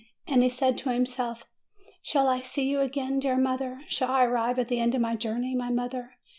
And he said to himself: "Shall I see you again, dear mother? Shall I arrive at the end of my journey, my mother?"